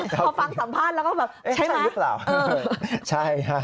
พอฟังสัมภาษณ์แล้วก็แบบเอ๊ะใช่หรือเปล่าเออใช่ฮะ